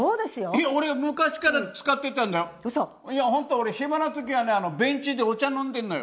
俺暇な時はねベンチでお茶飲んでんのよ。